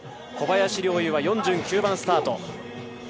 小林陵侑は４９番スタート。